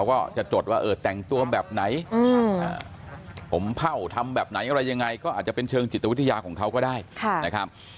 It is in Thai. ก็จะจดว่าเออแต่งตัวแบบไหนผมเผ่าทำแบบไหนอะไรยังไงก็อาจจะเป็นเชิงจิตวิทยาของเขาก็ได้นะครับ